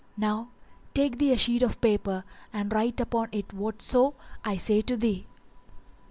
Now take thee a sheet of paper and write upon it whatso I say to thee."